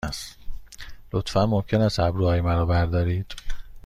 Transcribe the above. لطفاً ممکن است ابروهای مرا بردارید؟